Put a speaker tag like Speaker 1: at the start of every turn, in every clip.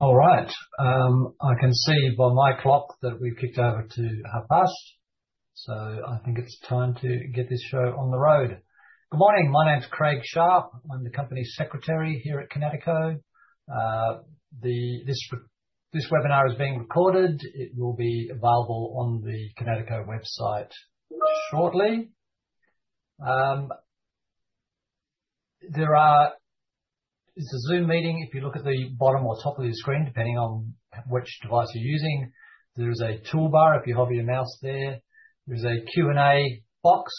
Speaker 1: All right. I can see by my clock that we've kicked over to our past, so I think it's time to get this show on the road. Good morning. My name's Craig Sharp. I'm the Company Secretary here at Kinatico. This webinar is being recorded. It will be available on the Kinatico website shortly. It's a Zoom meeting. If you look at the bottom or top of your screen, depending on which device you're using, there is a toolbar. If you hover your mouse there, there's a Q&A box.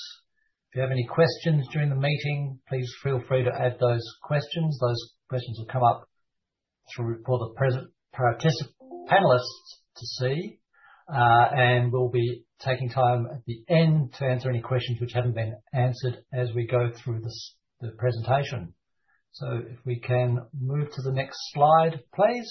Speaker 1: If you have any questions during the meeting, please feel free to add those questions. Those questions will come up for the present panelists to see, and we'll be taking time at the end to answer any questions which haven't been answered as we go through the presentation. If we can move to the next slide, please.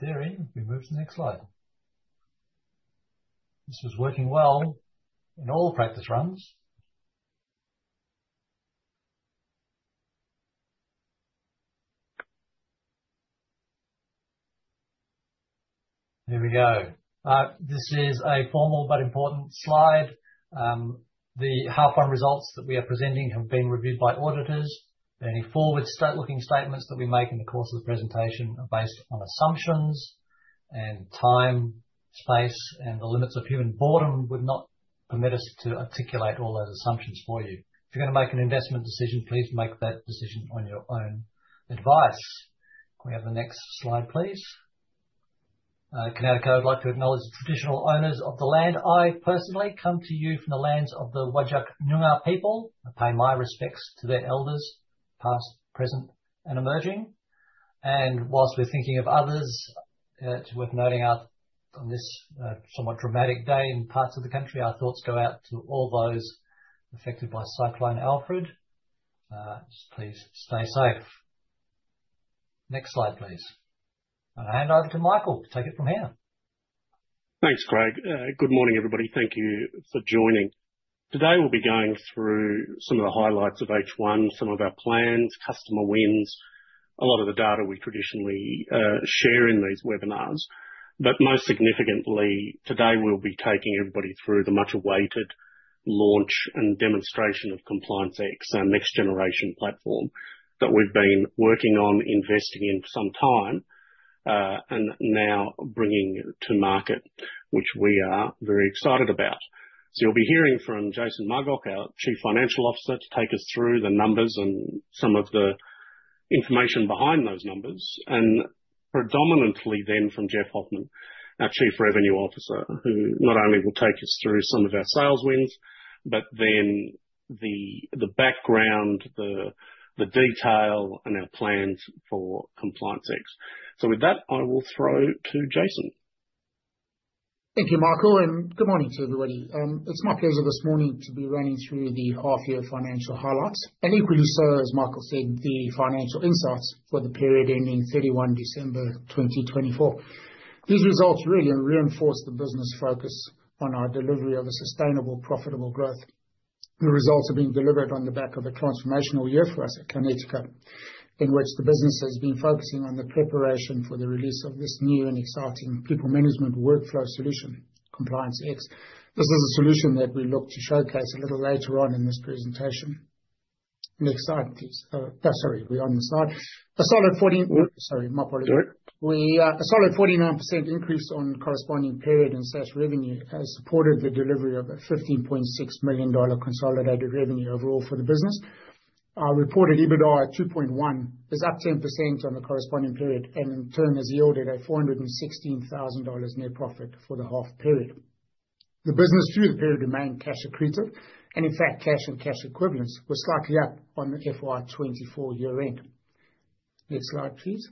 Speaker 1: There it is. We moved to the next slide. This is working well in all practice runs. Here we go. This is a formal but important slide. The half-on results that we are presenting have been reviewed by auditors. Any forward-looking statements that we make in the course of the presentation are based on assumptions, and time, space, and the limits of human boredom would not permit us to articulate all those assumptions for you. If you're going to make an investment decision, please make that decision on your own advice. Can we have the next slide, please? Kinatico, I'd like to acknowledge the traditional owners of the land. I personally come to you from the lands of the Whadjuk Noongar people. I pay my respects to their elders, past, present, and emerging. Whilst we're thinking of others, it's worth noting on this somewhat dramatic day in parts of the country, our thoughts go out to all those affected by Cyclone Alfred. Please stay safe. Next slide, please. I'll hand over to Michael. Take it from here.
Speaker 2: Thanks, Craig. Good morning, everybody. Thank you for joining. Today, we'll be going through some of the highlights of H1, some of our plans, customer wins, a lot of the data we traditionally share in these webinars. Most significantly, today, we'll be taking everybody through the much-awaited launch and demonstration of ComplianceX, our next-generation platform that we've been working on, investing in for some time, and now bringing to market, which we are very excited about. You'll be hearing from Jason Margach, our Chief Financial Officer, to take us through the numbers and some of the information behind those numbers, and predominantly then from Geoff Hoffman, our Chief Revenue Officer, who not only will take us through some of our sales wins, but then the background, the detail, and our plans for ComplianceX. With that, I will throw to Jason.
Speaker 3: Thank you, Michael, and good morning to everybody. It's my pleasure this morning to be running through the half-year financial highlights, and equally so, as Michael said, the financial insights for the period ending 31 December 2024. These results really reinforce the business focus on our delivery of a sustainable, profitable growth. The results have been delivered on the back of a transformational year for us at Kinatico, in which the business has been focusing on the preparation for the release of this new and exciting people management workflow solution, ComplianceX. This is a solution that we look to showcase a little later on in this presentation. Next slide, please. Sorry, we're on the slide. A solid 49%—sorry, my apologies.
Speaker 2: Sorry.
Speaker 3: A solid 49% increase on corresponding period and slash revenue has supported the delivery of 15.6 million dollar consolidated revenue overall for the business. Our reported EBITDA at 2.1 million is up 10% on the corresponding period and in turn has yielded a 416,000 dollars net profit for the half period. The business through the period remained cash accretive, and in fact, cash and cash equivalents were slightly up on the FY2024 year-end. Next slide, please.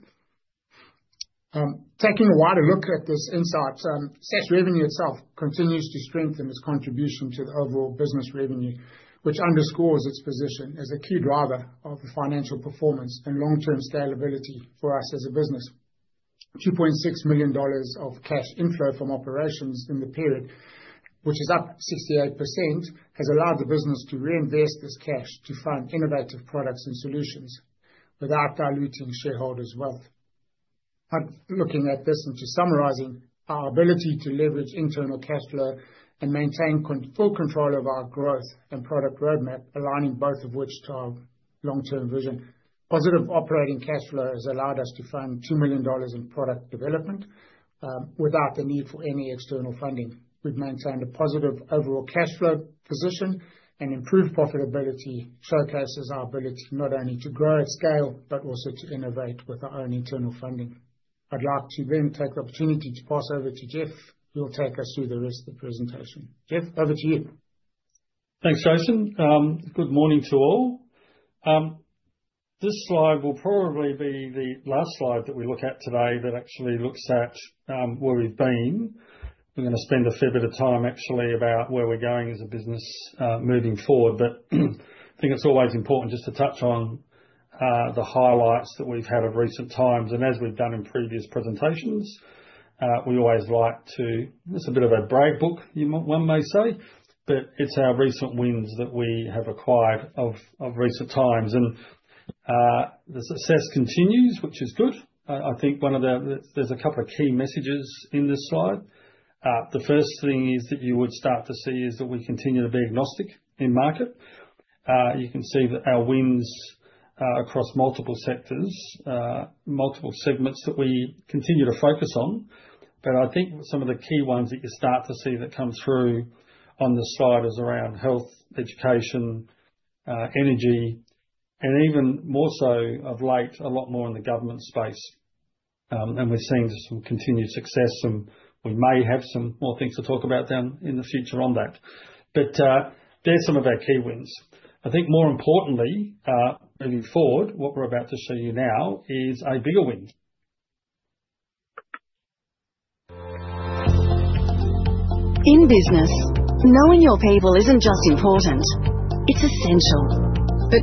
Speaker 3: Taking a wider look at this insight, slash revenue itself continues to strengthen its contribution to the overall business revenue, which underscores its position as a key driver of the financial performance and long-term scalability for us as a business. 2.6 million dollars of cash inflow from operations in the period, which is up 68%, has allowed the business to reinvest this cash to fund innovative products and solutions without diluting shareholders' wealth. Looking at this and to summarizing, our ability to leverage internal cash flow and maintain full control of our growth and product roadmap, aligning both of which to our long-term vision, positive operating cash flow has allowed us to fund 2 million dollars in product development without the need for any external funding. We've maintained a positive overall cash flow position, and improved profitability showcases our ability not only to grow at scale, but also to innovate with our own internal funding. I'd like to then take the opportunity to pass over to Geoff, who will take us through the rest of the presentation. Geoff, over to you.
Speaker 4: Thanks, Jason. Good morning to all. This slide will probably be the last slide that we look at today that actually looks at where we've been. We're going to spend a fair bit of time actually about where we're going as a business moving forward, but I think it's always important just to touch on the highlights that we've had of recent times. As we've done in previous presentations, we always like to—it's a bit of a brave book, one may say, but it's our recent wins that we have acquired of recent times. The success continues, which is good. I think one of the—there's a couple of key messages in this slide. The first thing is that you would start to see is that we continue to be agnostic in market. You can see that our wins across multiple sectors, multiple segments that we continue to focus on. I think some of the key ones that you start to see that come through on the slide is around health, education, energy, and even more so of late, a lot more in the government space. We are seeing just some continued success, and we may have some more things to talk about down in the future on that. There is some of our key wins. I think more importantly, moving forward, what we are about to show you now is a bigger win. In business, knowing your people is not just important; it is essential.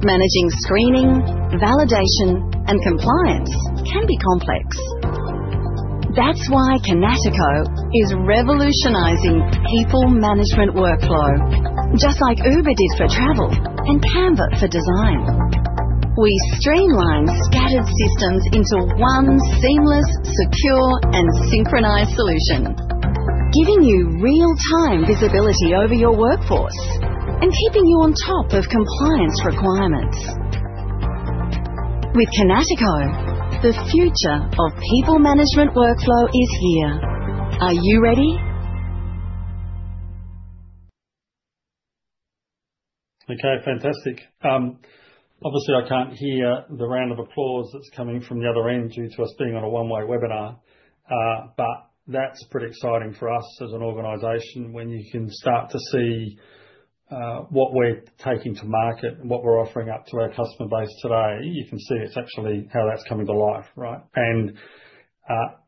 Speaker 4: Managing screening, validation, and compliance can be complex. That is why Kinatico is revolutionizing people management workflow, just like Uber did for travel and Canva for design. We streamline scattered systems into one seamless, secure, and synchronized solution, giving you real-time visibility over your workforce and keeping you on top of compliance requirements. With Kinatico, the future of people management workflow is here. Are you ready? Okay, fantastic. Obviously, I can't hear the round of applause that's coming from the other end due to us being on a one-way webinar, but that's pretty exciting for us as an organization when you can start to see what we're taking to market and what we're offering up to our customer base today. You can see it's actually how that's coming to life, right? In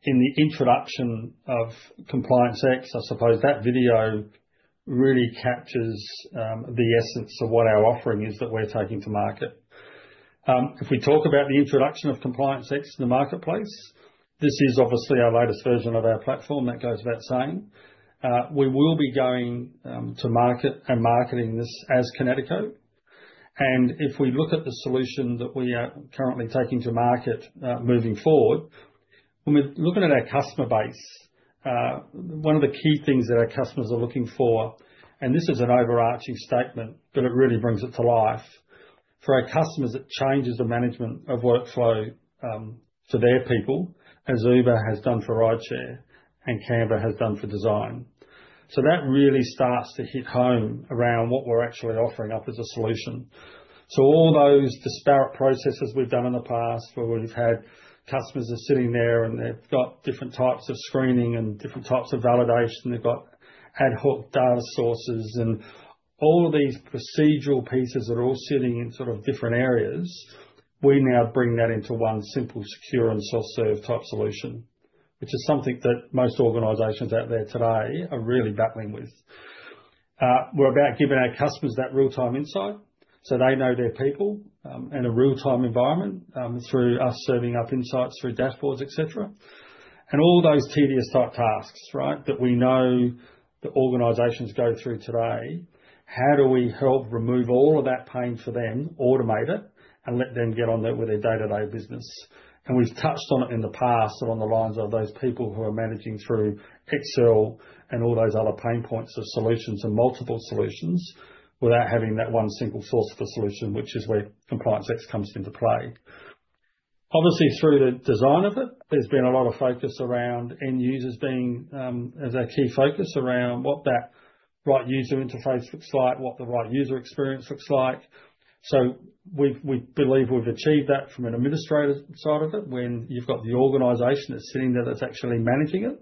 Speaker 4: the introduction of ComplianceX, I suppose that video really captures the essence of what our offering is that we're taking to market. If we talk about the introduction of ComplianceX in the marketplace, this is obviously our latest version of our platform, that goes without saying. We will be going to market and marketing this as Kinatico. If we look at the solution that we are currently taking to market moving forward, when we're looking at our customer base, one of the key things that our customers are looking for—and this is an overarching statement, but it really brings it to life—for our customers, it changes the management of workflow for their people, as Uber has done for rideshare and Canva has done for design. That really starts to hit home around what we're actually offering up as a solution. All those disparate processes we've done in the past where we've had customers sitting there and they've got different types of screening and different types of validation, they've got ad hoc data sources, and all of these procedural pieces that are all sitting in sort of different areas, we now bring that into one simple, secure, and self-serve type solution, which is something that most organizations out there today are really battling with. We're about giving our customers that real-time insight so they know their people in a real-time environment through us serving up insights through dashboards, etc. All those tedious type tasks, right, that we know that organizations go through today, how do we help remove all of that pain for them, automate it, and let them get on with their day-to-day business? We have touched on it in the past and on the lines of those people who are managing through Excel and all those other pain points of solutions and multiple solutions without having that one single source for solution, which is where ComplianceX comes into play. Obviously, through the design of it, there has been a lot of focus around end users being as a key focus around what that right user interface looks like, what the right user experience looks like. We believe we have achieved that from an administrative side of it when you have got the organization that is sitting there that is actually managing it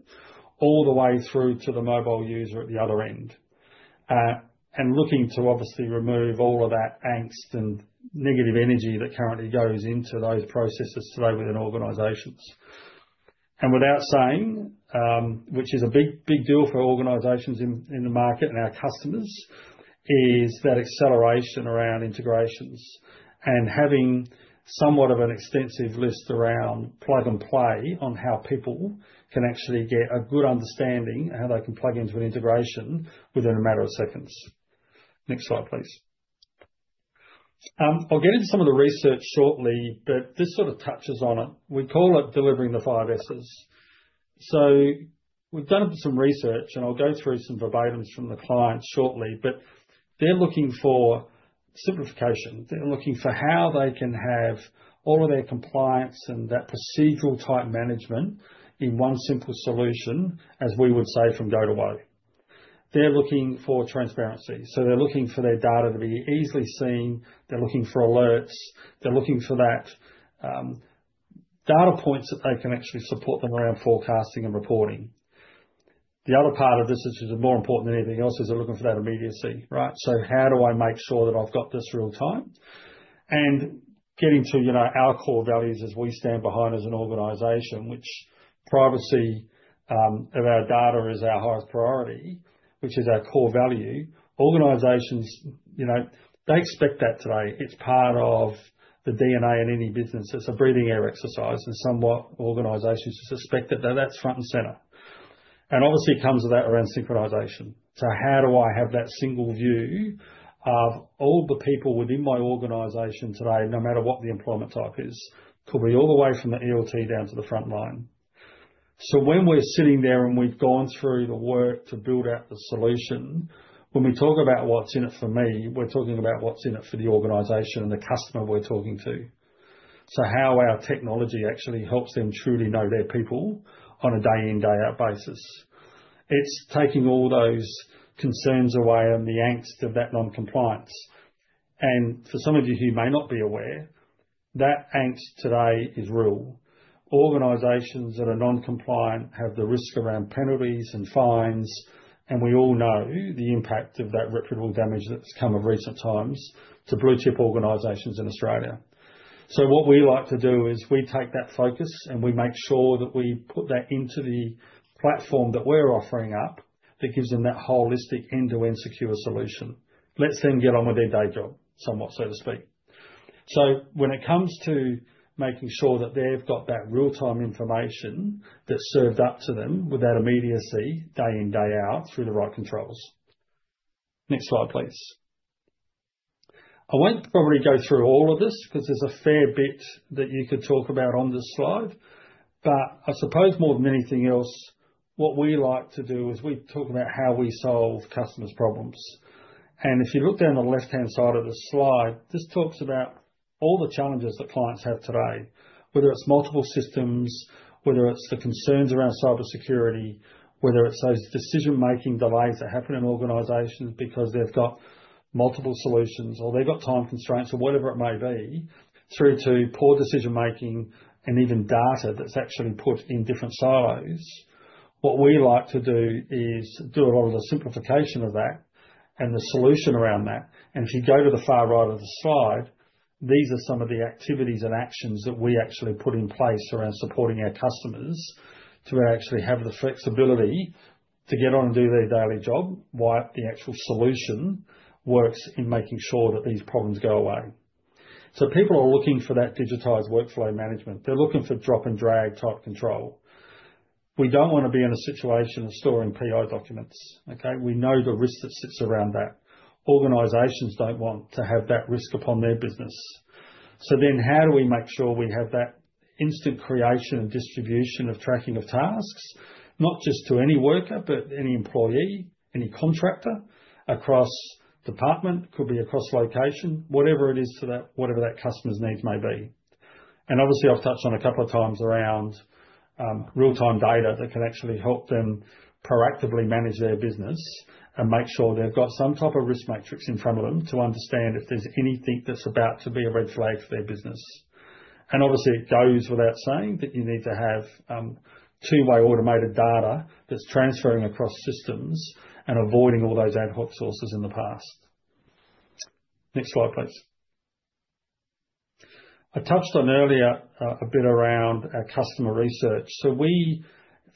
Speaker 4: all the way through to the mobile user at the other end. Looking to obviously remove all of that angst and negative energy that currently goes into those processes today within organizations. Without saying, which is a big, big deal for organizations in the market and our customers, is that acceleration around integrations and having somewhat of an extensive list around plug and play on how people can actually get a good understanding of how they can plug into an integration within a matter of seconds. Next slide, please. I'll get into some of the research shortly. This sort of touches on it. We call it delivering the five S's. We've done some research, and I'll go through some verbatims from the client shortly, but they're looking for simplification. They're looking for how they can have all of their compliance and that procedural type management in one simple solution, as we would say from go to way. They're looking for transparency. They're looking for their data to be easily seen. They're looking for alerts. They're looking for that data points that they can actually support them around forecasting and reporting. The other part of this, which is more important than anything else, is they're looking for that immediacy, right? How do I make sure that I've got this real time? Getting to our core values as we stand behind as an organization, privacy of our data is our highest priority, which is our core value. Organizations, they expect that today. It's part of the DNA in any business. It's a breathing air exercise. Somewhat, organizations suspect that that's front and center. Obviously, it comes with that around synchronization. How do I have that single view of all the people within my organization today, no matter what the employment type is, could be all the way from the ELT down to the front line? When we're sitting there and we've gone through the work to build out the solution, when we talk about what's in it for me, we're talking about what's in it for the organization and the customer we're talking to. How our technology actually helps them truly know their people on a day-in, day-out basis. It's taking all those concerns away and the angst of that non-compliance. For some of you who may not be aware, that angst today is real. Organizations that are non-compliant have the risk around penalties and fines, and we all know the impact of that reparable damage that's come of recent times to blue-chip organizations in Australia. What we like to do is we take that focus and we make sure that we put that into the platform that we're offering up that gives them that holistic end-to-end secure solution. Let's then get on with their day job, somewhat, so to speak. When it comes to making sure that they've got that real-time information that's served up to them with that immediacy, day in, day out, through the right controls. Next slide, please. I won't probably go through all of this because there's a fair bit that you could talk about on this slide, but I suppose more than anything else, what we like to do is we talk about how we solve customers' problems. If you look down the left-hand side of this slide, this talks about all the challenges that clients have today, whether it's multiple systems, whether it's the concerns around cybersecurity, whether it's those decision-making delays that happen in organizations because they've got multiple solutions or they've got time constraints or whatever it may be, through to poor decision-making and even data that's actually put in different silos. What we like to do is do a lot of the simplification of that and the solution around that. If you go to the far right of the slide, these are some of the activities and actions that we actually put in place around supporting our customers to actually have the flexibility to get on and do their daily job while the actual solution works in making sure that these problems go away. People are looking for that digitized workflow management. They're looking for drag-and-drop type control. We don't want to be in a situation of storing PO documents, okay? We know the risk that sits around that. Organizations don't want to have that risk upon their business. How do we make sure we have that instant creation and distribution of tracking of tasks, not just to any worker, but any employee, any contractor across department, could be across location, whatever it is to that, whatever that customer's needs may be. Obviously, I've touched on a couple of times around real-time data that can actually help them proactively manage their business and make sure they've got some type of risk matrix in front of them to understand if there's anything that's about to be a red flag for their business. It goes without saying that you need to have two-way automated data that's transferring across systems and avoiding all those ad hoc sources in the past. Next slide, please. I touched on earlier a bit around our customer research.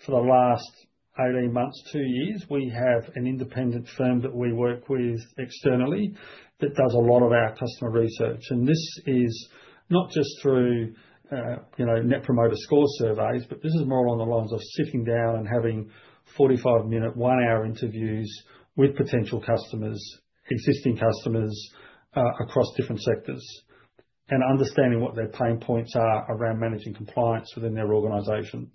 Speaker 4: For the last 18 months, two years, we have an independent firm that we work with externally that does a lot of our customer research. This is not just through Net Promoter Score surveys, but this is more along the lines of sitting down and having 45-minute, one-hour interviews with potential customers, existing customers across different sectors, and understanding what their pain points are around managing compliance within their organisation.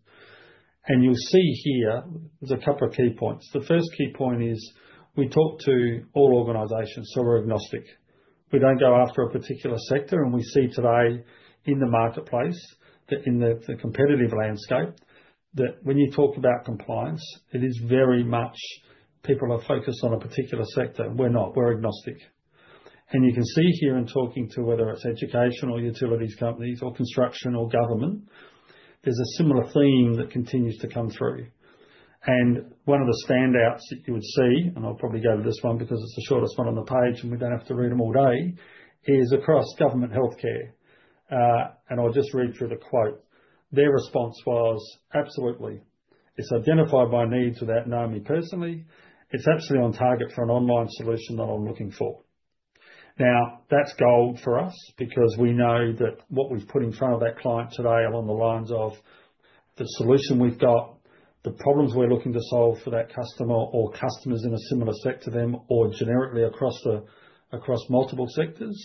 Speaker 4: You'll see here there's a couple of key points. The first key point is we talk to all organisations, so we're agnostic. We don't go after a particular sector. We see today in the marketplace, in the competitive landscape, that when you talk about compliance, it is very much people are focused on a particular sector. We are not. We are agnostic. You can see here in talking to whether it is education or utilities companies or construction or government, there is a similar theme that continues to come through. One of the standouts that you would see, and I will probably go to this one because it is the shortest one on the page and we do not have to read them all day, is across government healthcare. I will just read through the quote. Their response was, "Absolutely. It has identified my needs without knowing me personally. It's absolutely on target for an online solution that I'm looking for." Now, that's gold for us because we know that what we've put in front of that client today along the lines of the solution we've got, the problems we're looking to solve for that customer or customers in a similar sector to them or generically across multiple sectors,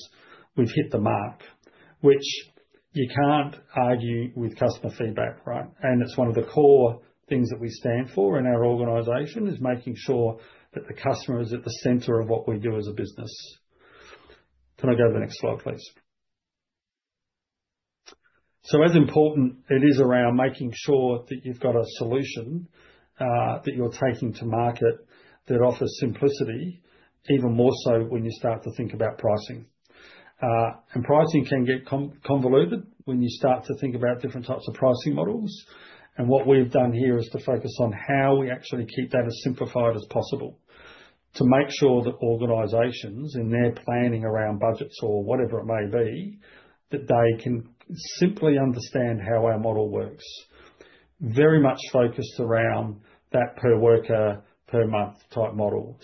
Speaker 4: we've hit the mark, which you can't argue with customer feedback, right? It's one of the core things that we stand for in our organization is making sure that the customer is at the center of what we do as a business. Can I go to the next slide, please? As important it is around making sure that you've got a solution that you're taking to market that offers simplicity, even more so when you start to think about pricing. Pricing can get convoluted when you start to think about different types of pricing models. What we've done here is to focus on how we actually keep that as simplified as possible to make sure that organizations in their planning around budgets or whatever it may be, that they can simply understand how our model works. Very much focused around that per worker, per month type model.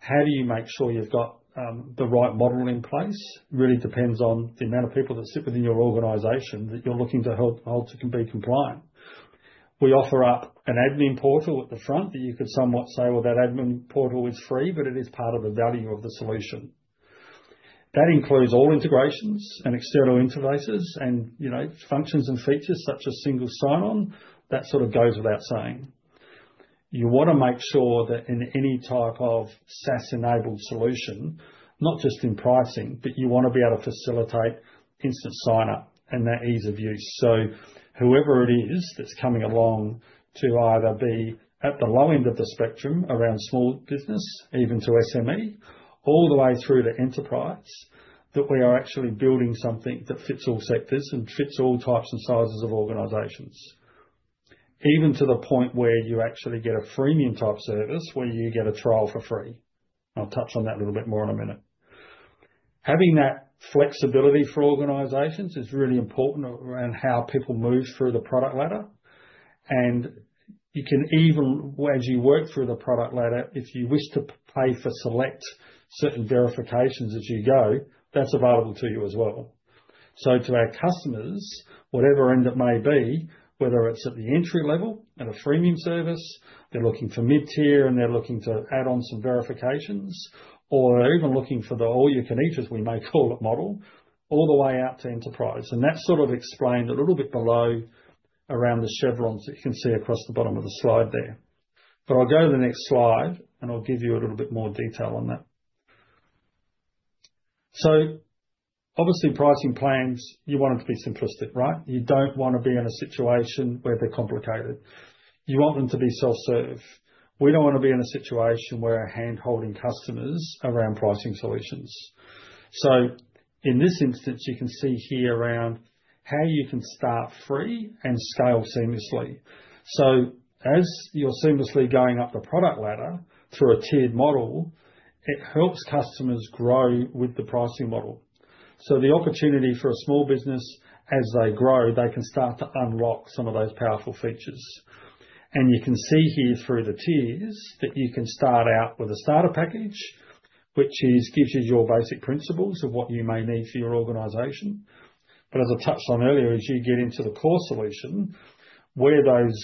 Speaker 4: How do you make sure you've got the right model in place? Really depends on the amount of people that sit within your organization that you're looking to help hold to be compliant. We offer up an admin portal at the front that you could somewhat say, "Well, that admin portal is free, but it is part of the value of the solution." That includes all integrations and external interfaces and functions and features such as single sign-on. That sort of goes without saying. You want to make sure that in any type of SaaS-enabled solution, not just in pricing, but you want to be able to facilitate instant sign-up and that ease of use. Whoever it is that's coming along to either be at the low end of the spectrum around small business, even to SME, all the way through to enterprise, that we are actually building something that fits all sectors and fits all types and sizes of organizations. Even to the point where you actually get a freemium type service where you get a trial for free. I'll touch on that a little bit more in a minute. Having that flexibility for organizations is really important around how people move through the product ladder. You can even, as you work through the product ladder, if you wish to pay for select certain verifications as you go, that's available to you as well. To our customers, whatever end it may be, whether it's at the entry level at a freemium service, they're looking for mid-tier and they're looking to add on some verifications, or they're even looking for the all-you-can-eat, as we may call it, model, all the way out to enterprise. That is sort of explained a little bit below around the chevrons that you can see across the bottom of the slide there. I'll go to the next slide and give you a little bit more detail on that. Obviously, pricing plans, you want them to be simplistic, right? You don't want to be in a situation where they're complicated. You want them to be self-serve. We don't want to be in a situation where we're hand-holding customers around pricing solutions. In this instance, you can see here around how you can start free and scale seamlessly. As you're seamlessly going up the product ladder through a tiered model, it helps customers grow with the pricing model. The opportunity for a small business, as they grow, is they can start to unlock some of those powerful features. You can see here through the tiers that you can start out with a starter package, which gives you your basic principles of what you may need for your organization. As I touched on earlier, as you get into the core solution, where those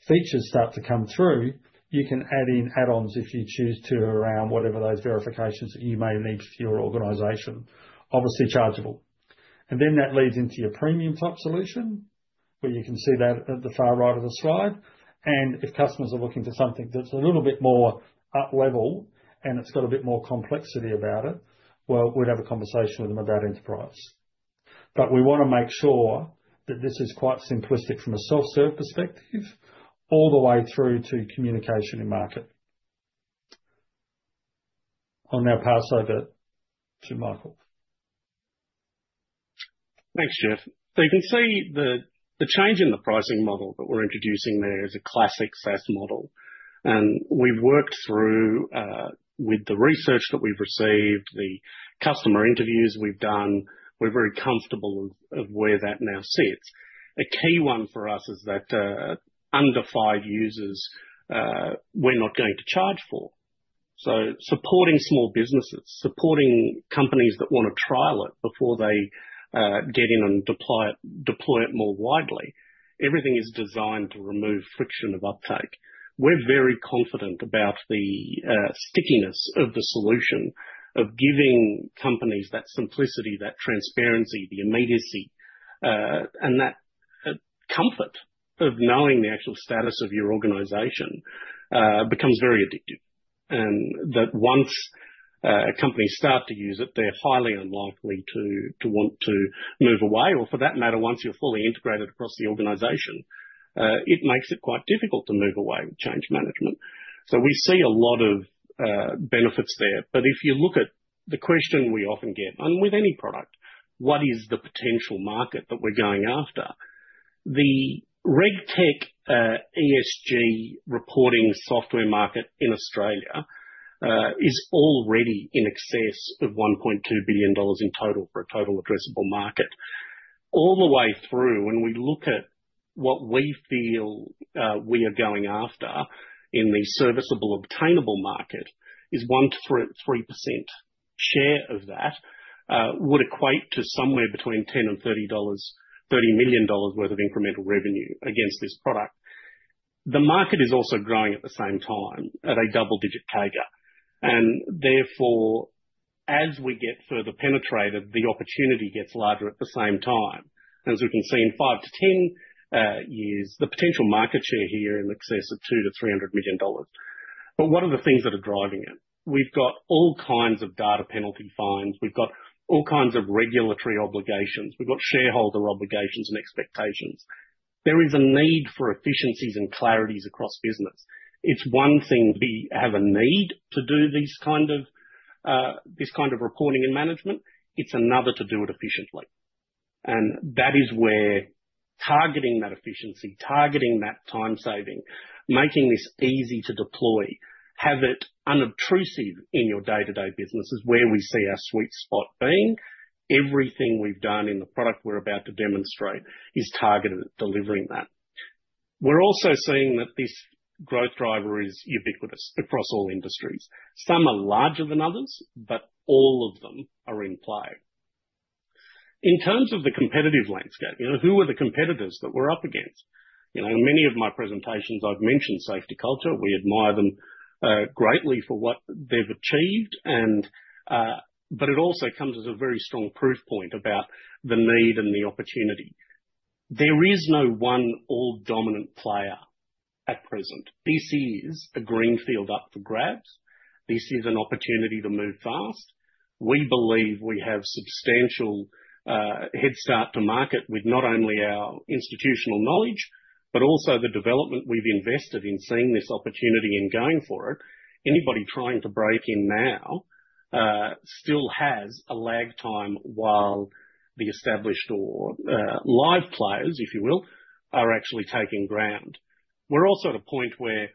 Speaker 4: features start to come through, you can add in add-ons if you choose to around whatever those verifications that you may need for your organization, obviously chargeable. That leads into your premium type solution, where you can see that at the far right of the slide. If customers are looking for something that's a little bit more up level and it's got a bit more complexity about it, we'd have a conversation with them about enterprise. We want to make sure that this is quite simplistic from a self-serve perspective all the way through to communication in market. I'll now pass over to Michael.
Speaker 2: Thanks, Geoff. You can see the change in the pricing model that we're introducing there is a classic SaaS model. We've worked through with the research that we've received, the customer interviews we've done, we're very comfortable with where that now sits. A key one for us is that under five users, we're not going to charge for. Supporting small businesses, supporting companies that want to trial it before they get in and deploy it more widely, everything is designed to remove friction of uptake. We're very confident about the stickiness of the solution, of giving companies that simplicity, that transparency, the immediacy, and that comfort of knowing the actual status of your organisation becomes very addictive. Once companies start to use it, they're highly unlikely to want to move away, or for that matter, once you're fully integrated across the organisation, it makes it quite difficult to move away with change management. We see a lot of benefits there. If you look at the question we often get, and with any product, what is the potential market that we're going after? The regtech ESG reporting software market in Australia is already in excess of 1.2 billion dollars in total for a total addressable market. All the way through, when we look at what we feel we are going after in the serviceable, obtainable market, is 1-3% share of that would equate to somewhere between 10 million-30 million dollars worth of incremental revenue against this product. The market is also growing at the same time at a double-digit CAGR. Therefore, as we get further penetrated, the opportunity gets larger at the same time. As we can see in 5-10 years, the potential market share here is in excess of 200 million-300 million dollars. What are the things that are driving it? We've got all kinds of data penalty fines. We've got all kinds of regulatory obligations. We've got shareholder obligations and expectations. There is a need for efficiencies and clarities across business. It's one thing to have a need to do this kind of reporting and management. It's another to do it efficiently. That is where targeting that efficiency, targeting that time saving, making this easy to deploy, have it unobtrusive in your day-to-day business is where we see our sweet spot being. Everything we've done in the product we're about to demonstrate is targeted at delivering that. We're also seeing that this growth driver is ubiquitous across all industries. Some are larger than others, but all of them are in play. In terms of the competitive landscape, who are the competitors that we're up against? In many of my presentations, I've mentioned SafetyCulture. We admire them greatly for what they've achieved. It also comes as a very strong proof point about the need and the opportunity. There is no one all-dominant player at present. This is a greenfield up for grabs. This is an opportunity to move fast. We believe we have substantial headstart to market with not only our institutional knowledge, but also the development we've invested in seeing this opportunity and going for it. Anybody trying to break in now still has a lag time while the established or live players, if you will, are actually taking ground. We're also at a point where,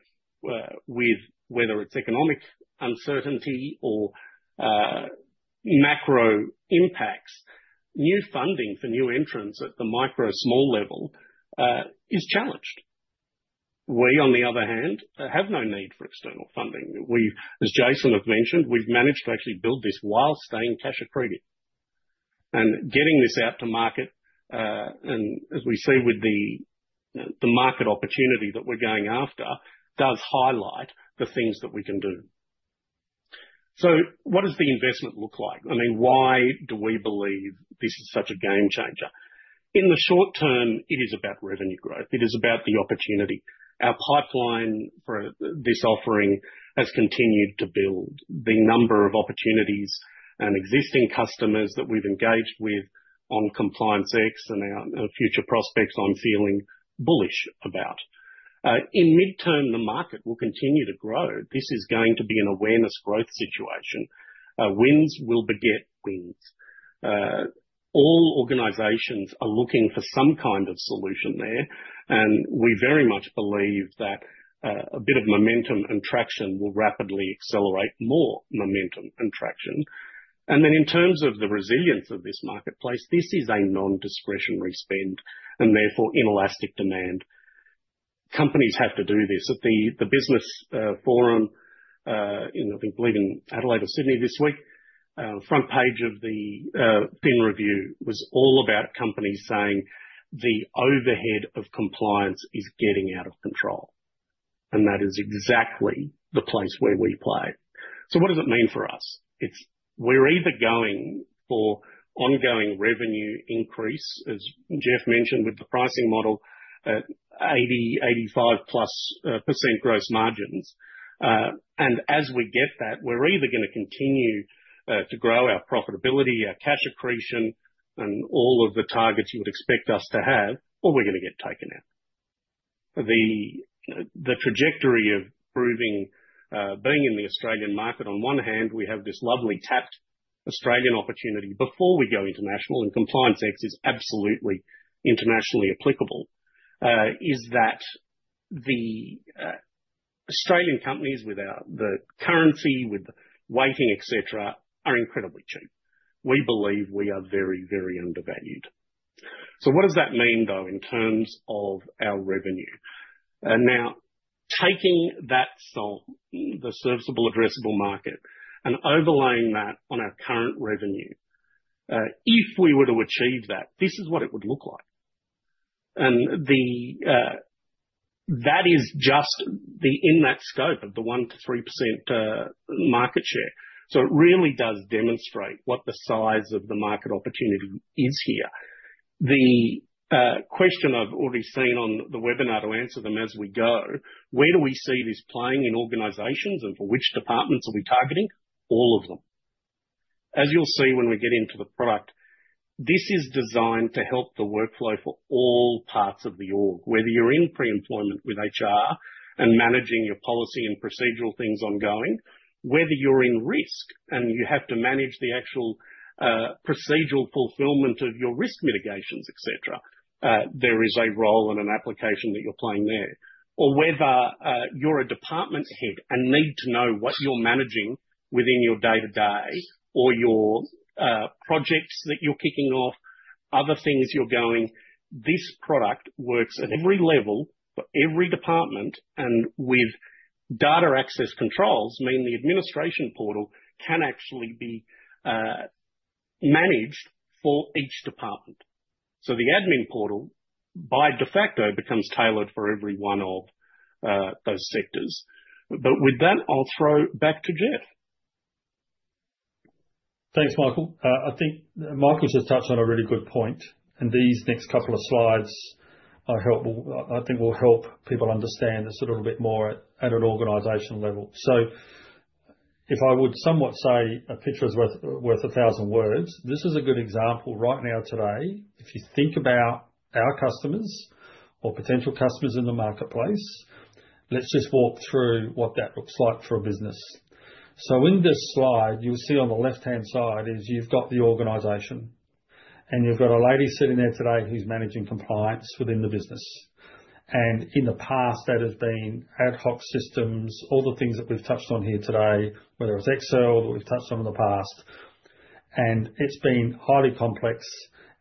Speaker 2: with whether it's economic uncertainty or macro impacts, new funding for new entrants at the micro small level is challenged. We, on the other hand, have no need for external funding. As Jason has mentioned, we've managed to actually build this while staying cash-accretive. Getting this out to market, and as we see with the market opportunity that we're going after, does highlight the things that we can do. What does the investment look like? I mean, why do we believe this is such a game changer? In the short term, it is about revenue growth. It is about the opportunity. Our pipeline for this offering has continued to build. The number of opportunities and existing customers that we've engaged with on ComplianceX and our future prospects, I'm feeling bullish about. In the midterm, the market will continue to grow. This is going to be an awareness growth situation. Wins will beget wins. All organizations are looking for some kind of solution there. We very much believe that a bit of momentum and traction will rapidly accelerate more momentum and traction. In terms of the resilience of this marketplace, this is a non-discretionary spend and therefore inelastic demand. Companies have to do this. At the Business Forum, I think I believe in Adelaide or Sydney this week, front page of the FIN review was all about companies saying, "The overhead of compliance is getting out of control." That is exactly the place where we play. What does it mean for us? We're either going for ongoing revenue increase, as Geoff mentioned with the pricing model, 80-85+% gross margins. As we get that, we're either going to continue to grow our profitability, our cash accretion, and all of the targets you would expect us to have, or we're going to get taken out. The trajectory of proving being in the Australian market, on one hand, we have this lovely tapped Australian opportunity before we go international, and ComplianceX is absolutely internationally applicable, is that the Australian companies with the currency, with the weighting, etc., are incredibly cheap. We believe we are very, very undervalued. What does that mean, though, in terms of our revenue? Now, taking that sum, the serviceable, addressable market, and overlaying that on our current revenue, if we were to achieve that, this is what it would look like. That is just in that scope of the 1-3% market share. It really does demonstrate what the size of the market opportunity is here. The question I have already seen on the webinar, to answer them as we go, where do we see this playing in organizations and for which departments are we targeting? All of them. As you'll see when we get into the product, this is designed to help the workflow for all parts of the org, whether you're in pre-employment with HR and managing your policy and procedural things ongoing, whether you're in risk and you have to manage the actual procedural fulfilment of your risk mitigations, etc., there is a role and an application that you're playing there. Whether you're a department head and need to know what you're managing within your day-to-day or your projects that you're kicking off, other things you're going, this product works at every level for every department and with data access controls, meaning the administration portal can actually be managed for each department. The admin portal, by de facto, becomes tailored for every one of those sectors. With that, I'll throw back to Geoff.
Speaker 4: Thanks, Michael. I think Michael just touched on a really good point. These next couple of slides, I think, will help people understand this a little bit more at an organisation level. If I would somewhat say a picture is worth a thousand words, this is a good example right now today. If you think about our customers or potential customers in the marketplace, let's just walk through what that looks like for a business. In this slide, you'll see on the left-hand side you have the organisation. You have a lady sitting there today who's managing compliance within the business. In the past, that has been ad hoc systems, all the things that we've touched on here today, whether it's Excel that we've touched on in the past. It's been highly complex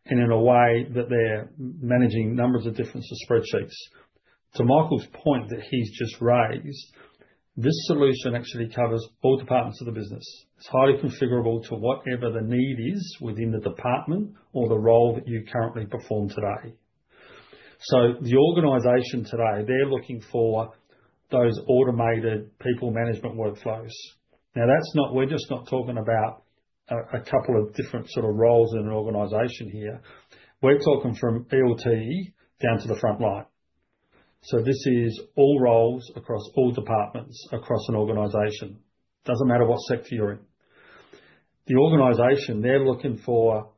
Speaker 4: and in a way that they're managing numbers of different spreadsheets. To Michael's point that he's just raised, this solution actually covers all departments of the business. It's highly configurable to whatever the need is within the department or the role that you currently perform today. The organisation today, they're looking for those automated people management workflows. Now, we're just not talking about a couple of different sort of roles in an organisation here. We're talking from ELT down to the front line. This is all roles across all departments across an organisation. Doesn't matter what sector you're in. The organisation, they're looking for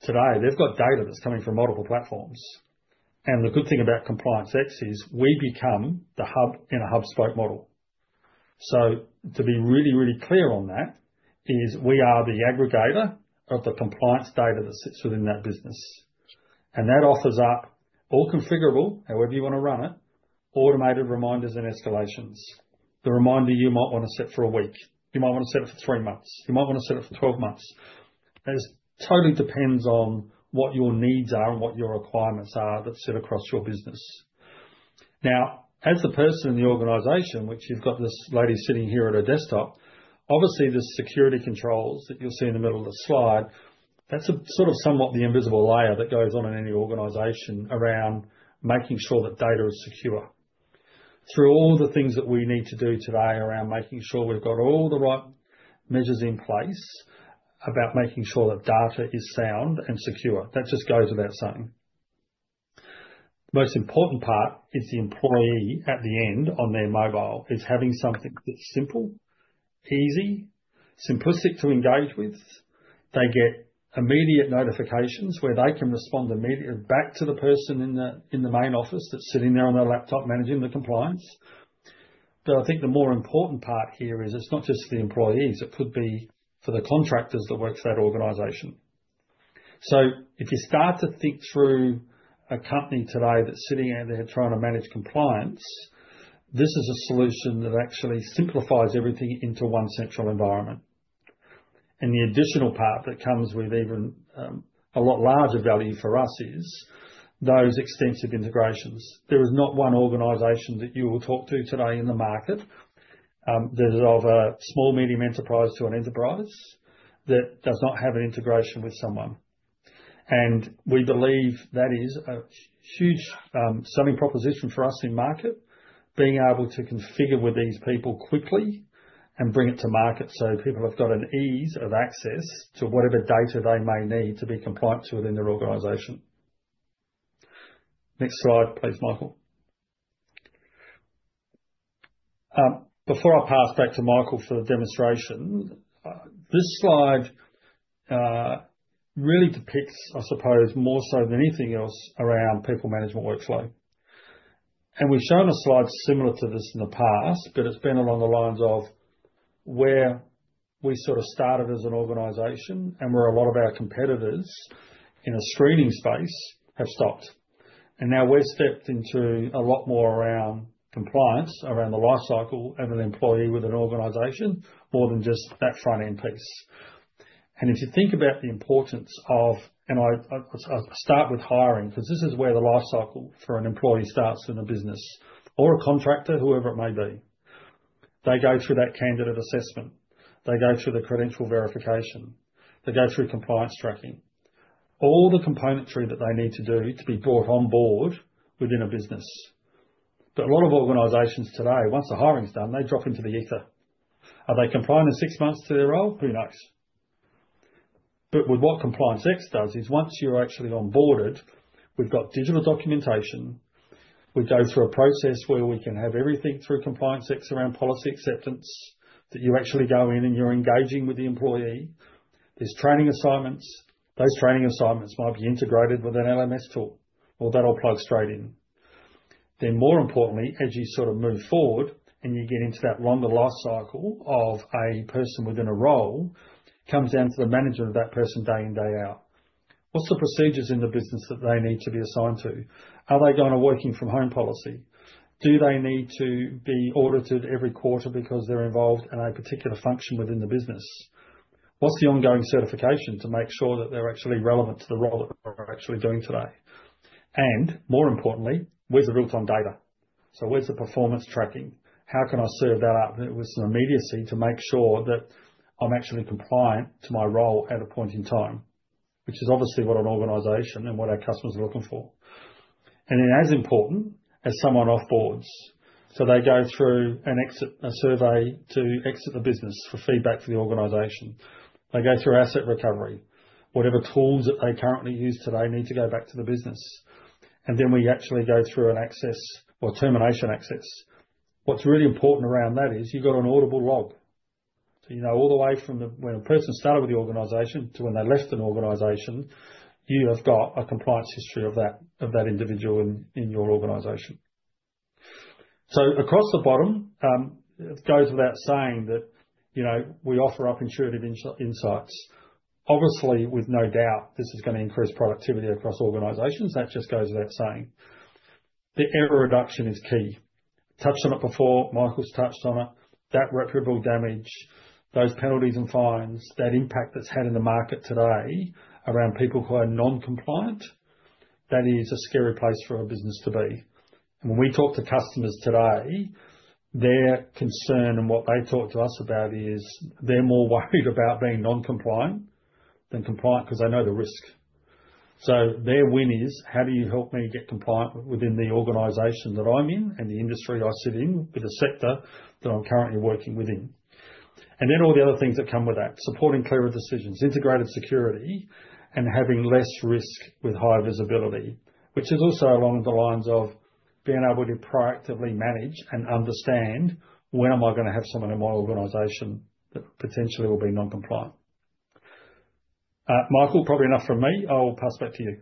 Speaker 4: today, they've got data that's coming from multiple platforms. The good thing about ComplianceX is we become the hub in a hubspoke model. To be really, really clear on that is we are the aggregator of the compliance data that sits within that business. That offers up all configurable, however you want to run it, automated reminders and escalations. The reminder you might want to set for a week. You might want to set it for three months. You might want to set it for 12 months. It totally depends on what your needs are and what your requirements are that sit across your business. Now, as the person in the organisation, which you've got this lady sitting here at her desktop, obviously the security controls that you'll see in the middle of the slide, that's sort of somewhat the invisible layer that goes on in any organisation around making sure that data is secure. Through all the things that we need to do today around making sure we've got all the right measures in place about making sure that data is sound and secure, that just goes without saying. The most important part is the employee at the end on their mobile is having something that's simple, easy, simplistic to engage with. They get immediate notifications where they can respond immediately back to the person in the main office that's sitting there on their laptop managing the compliance. I think the more important part here is it's not just for the employees. It could be for the contractors that work at that organization. If you start to think through a company today that's sitting out there trying to manage compliance, this is a solution that actually simplifies everything into one central environment. The additional part that comes with even a lot larger value for us is those extensive integrations. There is not one organisation that you will talk to today in the market that is of a small, medium enterprise to an enterprise that does not have an integration with someone. We believe that is a huge selling proposition for us in market, being able to configure with these people quickly and bring it to market so people have got an ease of access to whatever data they may need to be compliant within their organisation. Next slide, please, Michael. Before I pass back to Michael for the demonstration, this slide really depicts, I suppose, more so than anything else around people management workflow. We have shown a slide similar to this in the past, but it has been along the lines of where we sort of started as an organisation and where a lot of our competitors in a screening space have stopped. We're stepped into a lot more around compliance, around the life cycle of an employee with an organisation, more than just that front-end piece. If you think about the importance of, and I'll start with hiring because this is where the life cycle for an employee starts in a business or a contractor, whoever it may be. They go through that candidate assessment. They go through the credential verification. They go through compliance tracking. All the componentry that they need to do to be brought on board within a business. A lot of organisations today, once the hiring's done, they drop into the ether. Are they compliant in six months to their role? Who knows? With what ComplianceX does is once you're actually onboarded, we've got digital documentation. We go through a process where we can have everything through ComplianceX around policy acceptance that you actually go in and you're engaging with the employee. There's training assignments. Those training assignments might be integrated with an LMS tool. That'll plug straight in. More importantly, as you sort of move forward and you get into that longer life cycle of a person within a role, it comes down to the management of that person day in, day out. What's the procedures in the business that they need to be assigned to? Are they going to working from home policy? Do they need to be audited every quarter because they're involved in a particular function within the business? What's the ongoing certification to make sure that they're actually relevant to the role that they're actually doing today? More importantly, where's the real-time data? Where's the performance tracking? How can I serve that up with some immediacy to make sure that I'm actually compliant to my role at a point in time, which is obviously what an organization and what our customers are looking for? As important as someone offboards, they go through an exit survey to exit the business for feedback for the organization. They go through asset recovery, whatever tools that they currently use today need to go back to the business. We actually go through an access or termination access. What's really important around that is you've got an auditable log. You know all the way from when a person started with the organization to when they left an organization, you have got a compliance history of that individual in your organization. Across the bottom, it goes without saying that we offer up intuitive insights. Obviously, with no doubt, this is going to increase productivity across organizations. That just goes without saying. The error reduction is key. Touched on it before. Michael's touched on it. That reparable damage, those penalties and fines, that impact that's had in the market today around people who are non-compliant, that is a scary place for a business to be. When we talk to customers today, their concern and what they talk to us about is they're more worried about being non-compliant than compliant because they know the risk. Their win is, how do you help me get compliant within the organization that I'm in and the industry I sit in with the sector that I'm currently working within? All the other things that come with that, supporting clearer decisions, integrated security, and having less risk with high visibility, which is also along the lines of being able to proactively manage and understand, when am I going to have someone in my organization that potentially will be non-compliant? Michael, probably enough from me. I'll pass back to you.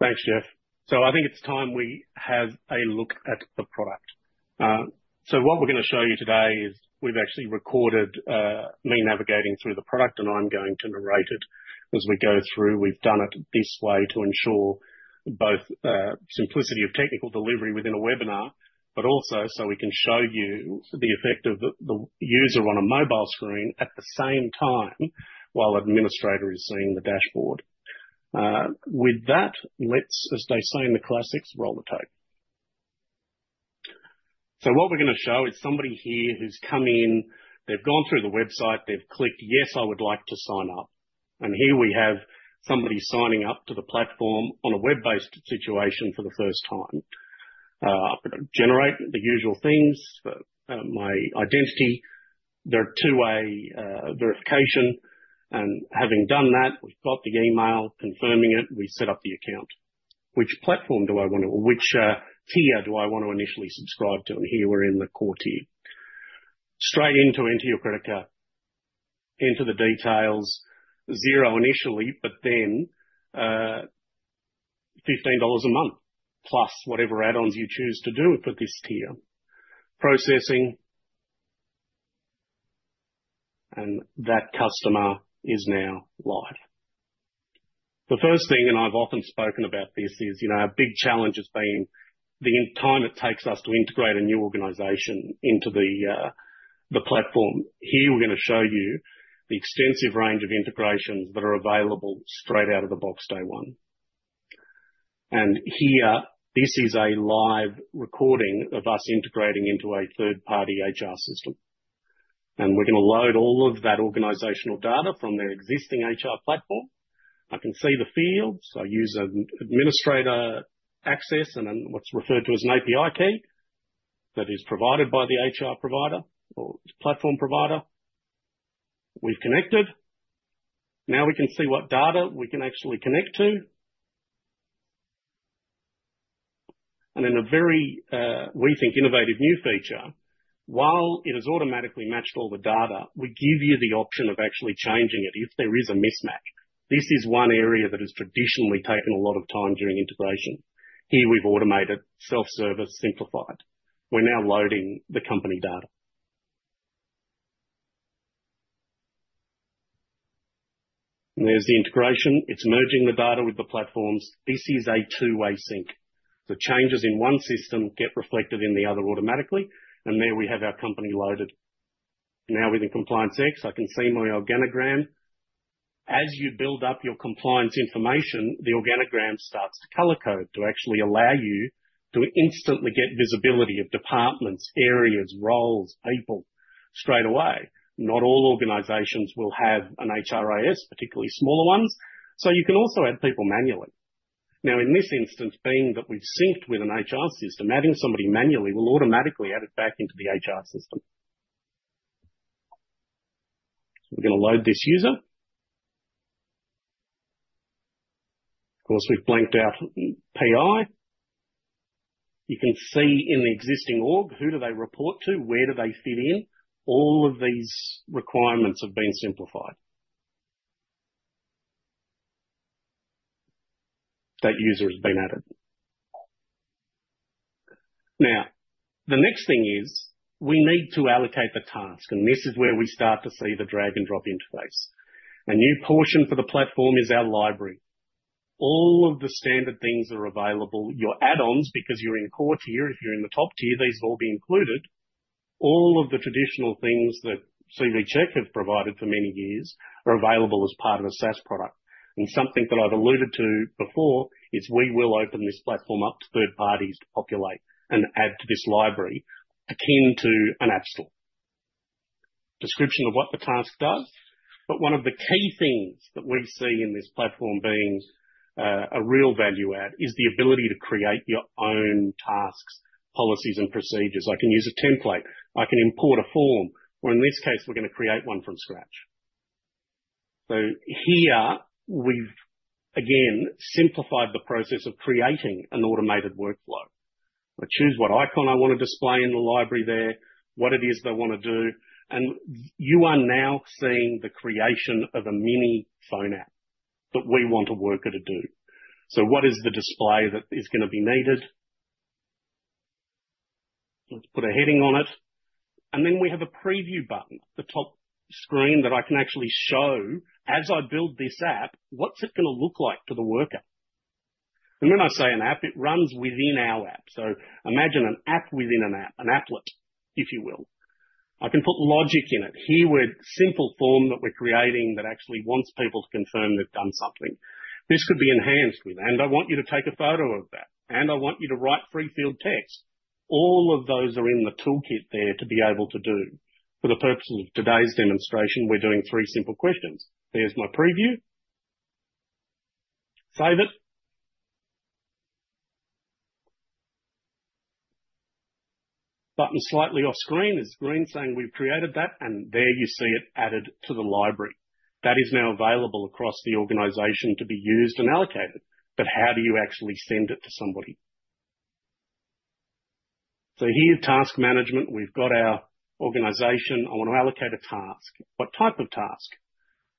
Speaker 2: Thanks, Geoff. I think it's time we have a look at the product. What we're going to show you today is we've actually recorded me navigating through the product, and I'm going to narrate it as we go through. We've done it this way to ensure both simplicity of technical delivery within a webinar, but also so we can show you the effect of the user on a mobile screen at the same time while an administrator is seeing the dashboard. With that, let's, as they say in the classics, roll the tape. What we're going to show is somebody here who's come in, they've gone through the website, they've clicked, "Yes, I would like to sign up." Here we have somebody signing up to the platform on a web-based situation for the first time. I'm going to generate the usual things, my identity. There are two-way verification. Having done that, we've got the email confirming it. We set up the account. Which platform do I want to or which tier do I want to initially subscribe to? Here we're in the core tier. Straight into enter your credit card. Enter the details. Zero initially, but then 15 dollars a month plus whatever add-ons you choose to do for this tier. Processing. That customer is now live. The first thing, and I've often spoken about this, is our big challenge has been the time it takes us to integrate a new organisation into the platform. Here we're going to show you the extensive range of integrations that are available straight out of the box day one. Here, this is a live recording of us integrating into a third-party HR system. We're going to load all of that organisational data from their existing HR platform. I can see the fields. I use an administrator access and then what's referred to as an API key that is provided by the HR provider or platform provider. We've connected. Now we can see what data we can actually connect to. In a very, we think, innovative new feature, while it has automatically matched all the data, we give you the option of actually changing it if there is a mismatch. This is one area that has traditionally taken a lot of time during integration. Here we have automated self-service simplified. We are now loading the company data. There is the integration. It is merging the data with the platforms. This is a two-way sync. The changes in one system get reflected in the other automatically. There we have our company loaded. Now within ComplianceX, I can see my organogram. As you build up your compliance information, the organogram starts to color code to actually allow you to instantly get visibility of departments, areas, roles, people straight away. Not all organizations will have an HRIS, particularly smaller ones. You can also add people manually. Now, in this instance, being that we've synced with an HR system, adding somebody manually will automatically add it back into the HR system. We're going to load this user. Of course, we've blanked out PI. You can see in the existing org, who do they report to, where do they fit in. All of these requirements have been simplified. That user has been added. The next thing is we need to allocate the task. This is where we start to see the drag-and-drop interface. A new portion for the platform is our library. All of the standard things are available. Your add-ons, because you're in core tier, if you're in the top tier, these have all been included. All of the traditional things that CV Check has provided for many years are available as part of a SaaS product. Something that I've alluded to before is we will open this platform up to third parties to populate and add to this library akin to an app store. Description of what the task does. One of the key things that we see in this platform being a real value add is the ability to create your own tasks, policies, and procedures. I can use a template. I can import a form. In this case, we're going to create one from scratch. Here, we've again simplified the process of creating an automated workflow. I choose what icon I want to display in the library there, what it is they want to do. You are now seeing the creation of a mini phone app that we want a worker to do. What is the display that is going to be needed? Let's put a heading on it. We have a preview button at the top screen that I can actually show as I build this app, what's it going to look like to the worker? When I say an app, it runs within our app. Imagine an app within an app, an applet, if you will. I can put logic in it. Here with simple form that we're creating that actually wants people to confirm they've done something. This could be enhanced with, and I want you to take a photo of that, and I want you to write free field text. All of those are in the toolkit there to be able to do. For the purposes of today's demonstration, we're doing three simple questions. There's my preview. Save it. Button slightly off screen is green saying we've created that, and there you see it added to the library. That is now available across the organization to be used and allocated. How do you actually send it to somebody? Here's task management. We've got our organization. I want to allocate a task. What type of task?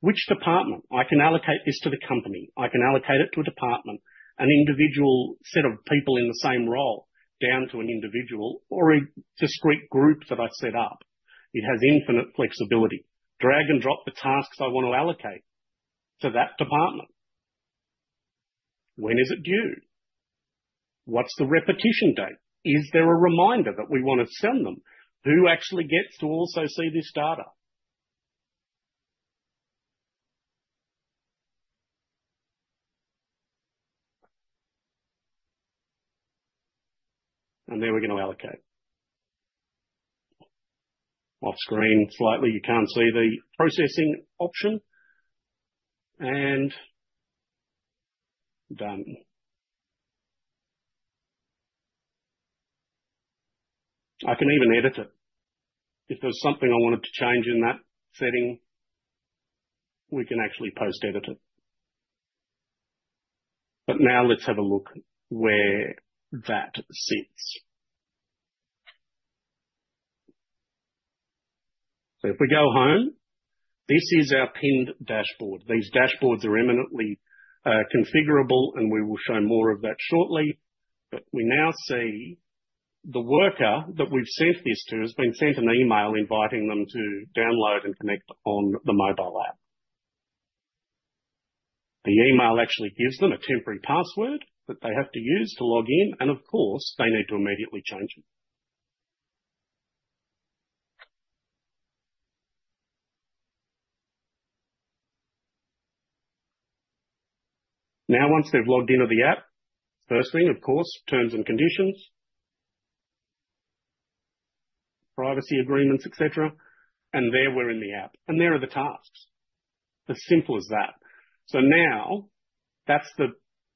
Speaker 2: Which department? I can allocate this to the company. I can allocate it to a department, an individual set of people in the same role, down to an individual or a discrete group that I set up. It has infinite flexibility. Drag and drop the tasks I want to allocate to that department. When is it due? What's the repetition date? Is there a reminder that we want to send them? Who actually gets to also see this data? There we're going to allocate. Off screen slightly, you can't see the processing option. And done. I can even edit it. If there's something I wanted to change in that setting, we can actually post-edit it. Now let's have a look where that sits. If we go home, this is our pinned dashboard. These dashboards are eminently configurable, and we will show more of that shortly. We now see the worker that we've sent this to has been sent an email inviting them to download and connect on the mobile app. The email actually gives them a temporary password that they have to use to log in. Of course, they need to immediately change it. Once they've logged into the app, first thing, of course, terms and conditions, privacy agreements, etc. There we're in the app. There are the tasks. As simple as that. Now that's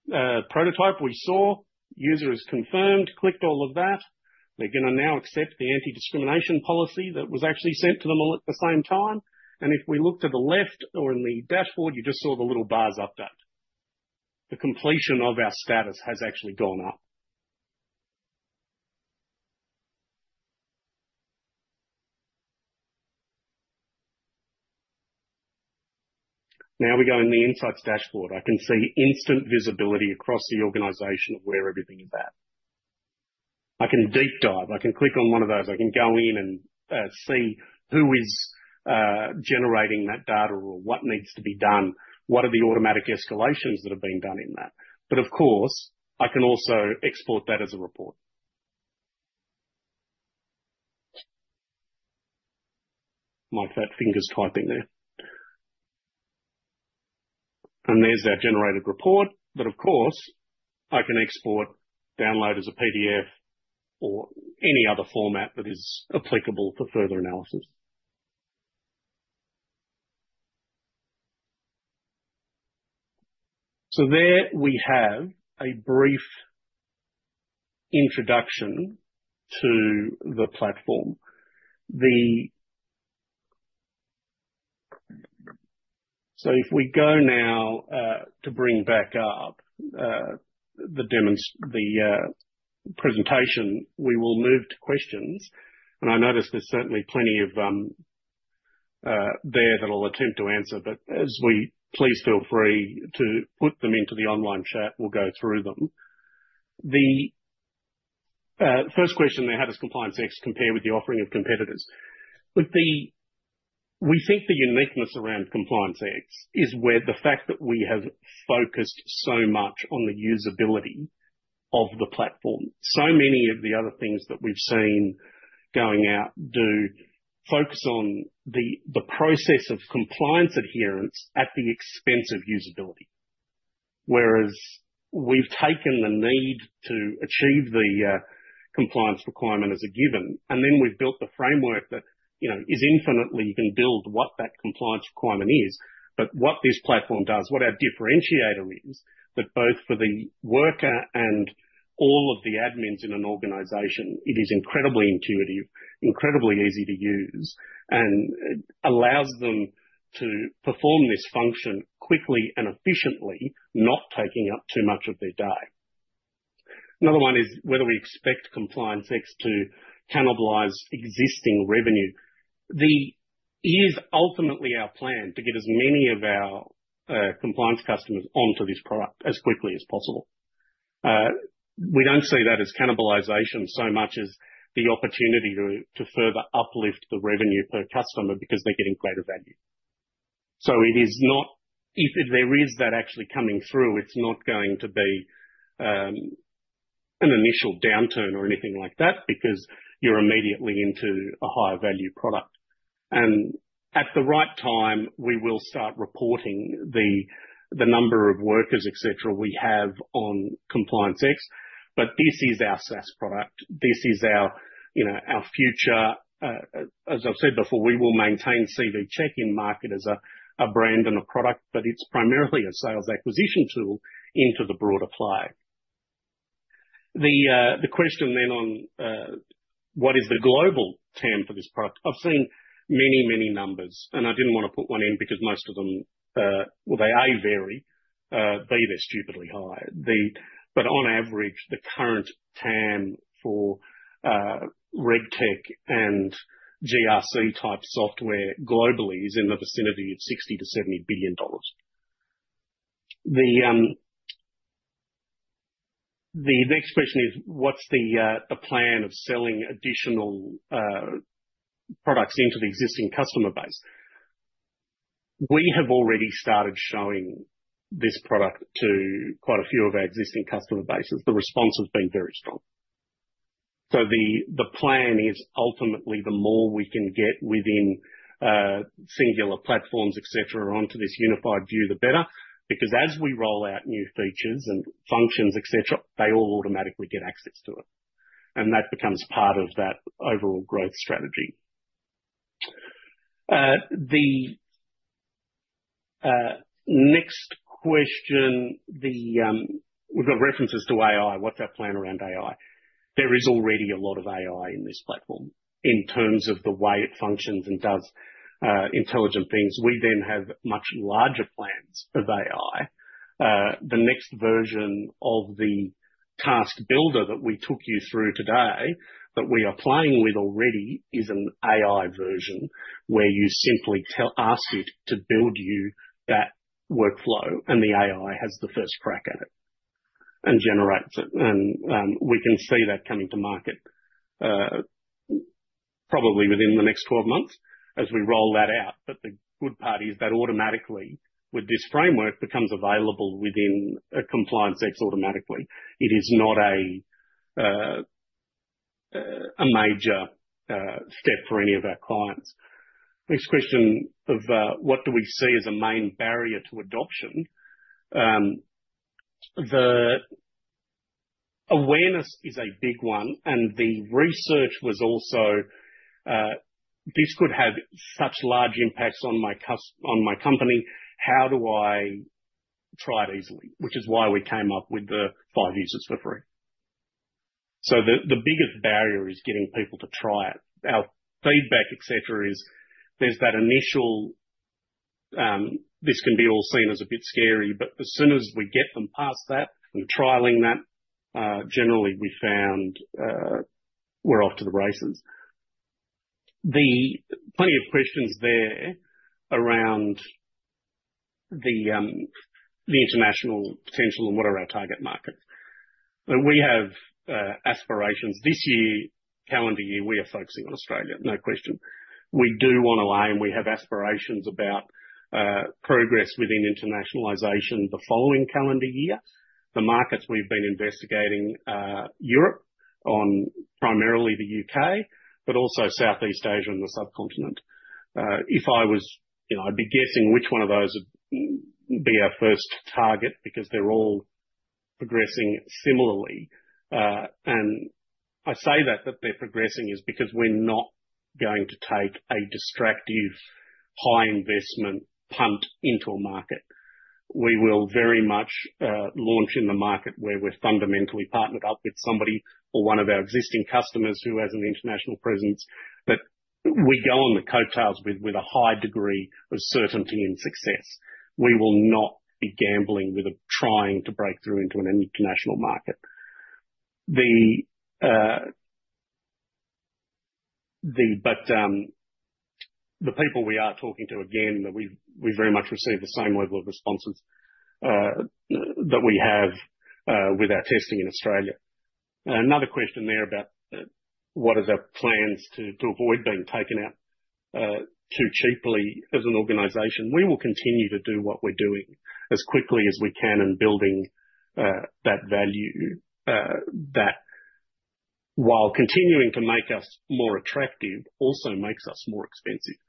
Speaker 2: the prototype we saw. User is confirmed, clicked all of that. They're going to now accept the anti-discrimination policy that was actually sent to them all at the same time. If we look to the left or in the dashboard, you just saw the little bars update. The completion of our status has actually gone up. Now we go in the insights dashboard. I can see instant visibility across the organisation of where everything is at. I can deep dive. I can click on one of those. I can go in and see who is generating that data or what needs to be done, what are the automatic escalations that have been done in that. Of course, I can also export that as a report. My fat finger's typing there. There's our generated report. Of course, I can export, download as a PDF, or any other format that is applicable for further analysis. There we have a brief introduction to the platform. If we go now to bring back up the presentation, we will move to questions. I notice there's certainly plenty there that I'll attempt to answer. Please feel free to put them into the online chat. We'll go through them. The first question there, how does ComplianceX compare with the offering of competitors? We think the uniqueness around ComplianceX is where the fact that we have focused so much on the usability of the platform. So many of the other things that we've seen going out do focus on the process of compliance adherence at the expense of usability. Whereas we've taken the need to achieve the compliance requirement as a given, and then we've built the framework that is infinitely, you can build what that compliance requirement is. What this platform does, what our differentiator is, is that both for the worker and all of the admins in an organization, it is incredibly intuitive, incredibly easy to use, and allows them to perform this function quickly and efficiently, not taking up too much of their day. Another one is whether we expect ComplianceX to cannibalize existing revenue. That is ultimately our plan, to get as many of our compliance customers onto this product as quickly as possible. We don't see that as cannibalization so much as the opportunity to further uplift the revenue per customer because they're getting greater value. It is not, if there is that actually coming through, it's not going to be an initial downturn or anything like that because you're immediately into a higher value product. At the right time, we will start reporting the number of workers, etc., we have on ComplianceX. This is our SaaS product. This is our future. As I've said before, we will maintain CV Check in market as a brand and a product, but it's primarily a sales acquisition tool into the broader play. The question then on what is the global TAM for this product? I've seen many, many numbers, and I didn't want to put one in because most of them, well, they A, vary. B, they're stupidly high. On average, the current TAM for regtech and GRC type software globally is in the vicinity of $60 billion-$70 billion. The next question is, what's the plan of selling additional products into the existing customer base? We have already started showing this product to quite a few of our existing customer base. The response has been very strong. The plan is ultimately the more we can get within singular platforms, etc., onto this unified view, the better. Because as we roll out new features and functions, etc., they all automatically get access to it. That becomes part of that overall growth strategy. The next question, we've got references to AI. What's our plan around AI? There is already a lot of AI in this platform in terms of the way it functions and does intelligent things. We then have much larger plans of AI. The next version of the task builder that we took you through today that we are playing with already is an AI version where you simply ask it to build you that workflow, and the AI has the first crack at it and generates it. We can see that coming to market probably within the next 12 months as we roll that out. The good part is that automatically with this framework becomes available within ComplianceX automatically. It is not a major step for any of our clients. Next question of what do we see as a main barrier to adoption? The awareness is a big one. The research was also, this could have such large impacts on my company, how do I try it easily? Which is why we came up with the five users for free. The biggest barrier is getting people to try it. Our feedback, etc., is there's that initial, this can be all seen as a bit scary, but as soon as we get them past that and trialing that, generally we found we're off to the races. Plenty of questions there around the international potential and what are our target markets. We have aspirations. This year, calendar year, we are focusing on Australia. No question. We do want to aim, we have aspirations about progress within internationalisation the following calendar year. The markets we've been investigating are Europe, primarily the U.K., but also Southeast Asia and the subcontinent. If I was, I'd be guessing which one of those would be our first target because they're all progressing similarly. I say that, that they're progressing is because we're not going to take a distractive high investment punt into a market. We will very much launch in the market where we're fundamentally partnered up with somebody or one of our existing customers who has an international presence, but we go on the coattails with a high degree of certainty and success. We will not be gambling with trying to break through into an international market. The people we are talking to, again, we very much receive the same level of responses that we have with our testing in Australia. Another question there about what are our plans to avoid being taken out too cheaply as an organization. We will continue to do what we're doing as quickly as we can in building that value that while continuing to make us more attractive also makes us more expensive.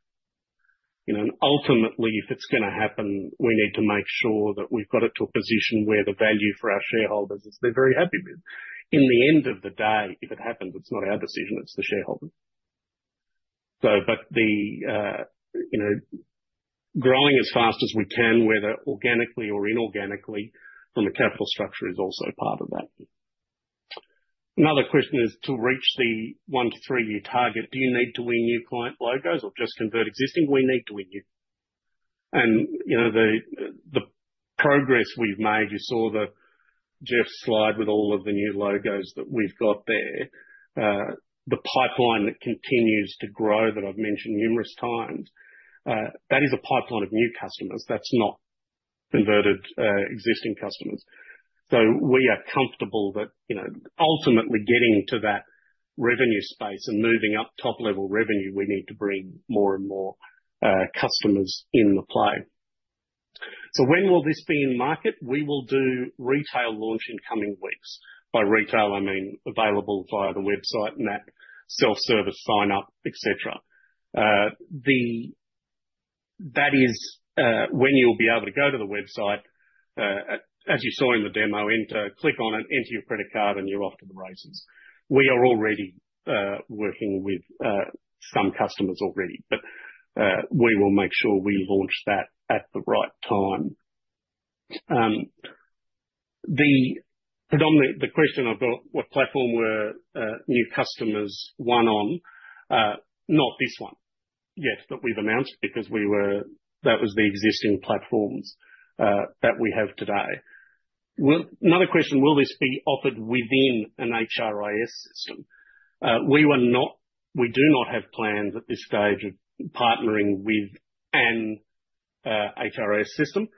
Speaker 2: Ultimately, if it's going to happen, we need to make sure that we've got it to a position where the value for our shareholders is they're very happy with. In the end of the day, if it happens, it's not our decision, it's the shareholders. Growing as fast as we can, whether organically or inorganically from a capital structure, is also part of that. Another question is to reach the one- to three-year target, do you need to win new client logos or just convert existing? We need to win new. The progress we've made, you saw the Geoff slide with all of the new logos that we've got there, the pipeline that continues to grow that I've mentioned numerous times, that is a pipeline of new customers. That's not converted existing customers. We are comfortable that ultimately getting to that revenue space and moving up top-level revenue, we need to bring more and more customers in the play. When will this be in market? We will do retail launch in coming weeks. By retail, I mean available via the website, map, self-service, sign-up, etc. That is when you'll be able to go to the website, as you saw in the demo, click on it, enter your credit card, and you're off to the races. We are already working with some customers already, but we will make sure we launch that at the right time. The question I've got, what platform were new customers one on? Not this one yet, but we've announced because that was the existing platforms that we have today. Another question, will this be offered within an HRIS system? We do not have plans at this stage of partnering with an HRIS system.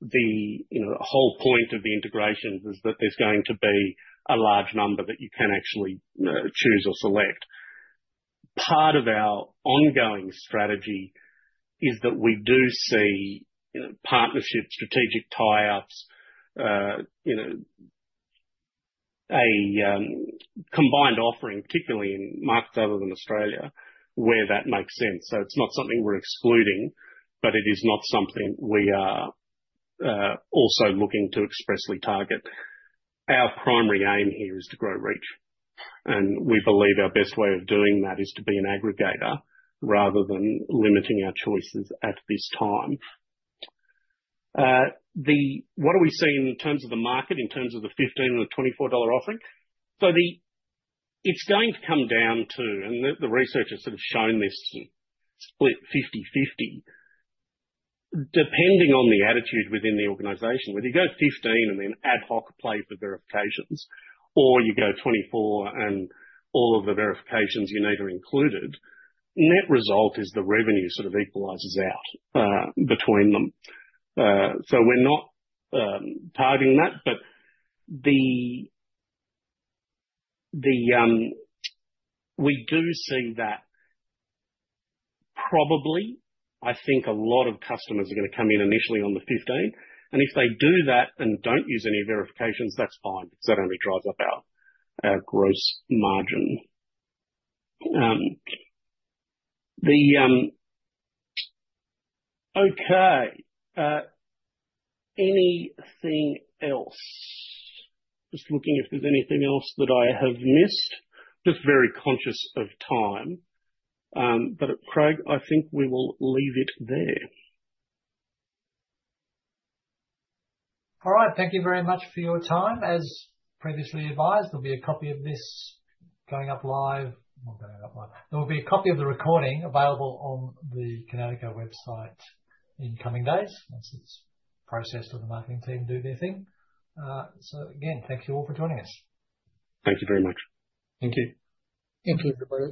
Speaker 2: The whole point of the integration is that there is going to be a large number that you can actually choose or select. Part of our ongoing strategy is that we do see partnerships, strategic tie-ups, a combined offering, particularly in markets other than Australia, where that makes sense. It is not something we are excluding, but it is not something we are also looking to expressly target. Our primary aim here is to grow reach. We believe our best way of doing that is to be an aggregator rather than limiting our choices at this time. What are we seeing in terms of the market, in terms of the $15 and the $24 offering? It is going to come down to, and the research has sort of shown this. To split 50/50, depending on the attitude within the organization. Whether you go 15 and then ad hoc pay for verifications, or you go 24 and all of the verifications you need are included, net result is the revenue sort of equalizes out between them. We are not targeting that, but we do see that probably, I think a lot of customers are going to come in initially on the 15. If they do that and do not use any verifications, that is fine because that only drives up our gross margin. Okay. Anything else? Just looking if there is anything else that I have missed. Just very conscious of time. Craig, I think we will leave it there.
Speaker 1: All right. Thank you very much for your time. As previously advised, there will be a copy of this going up live. Not going up live. There will be a copy of the recording available on the Kinatico website in coming days once it's processed and the marketing team do their thing. Again, thank you all for joining us.
Speaker 2: Thank you very much.
Speaker 3: Thank you.
Speaker 4: Thank you everybody.